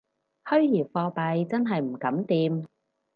虛擬貨幣真係唔敢掂